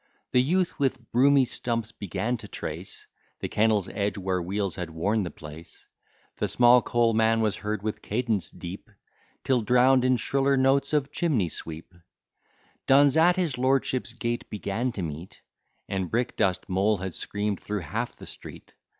The youth with broomy stumps began to trace The kennel's edge, where wheels had worn the place. The small coal man was heard with cadence deep, Till drown'd in shriller notes of chimney sweep: Duns at his lordship's gate began to meet; And brickdust Moll had scream'd through half the street.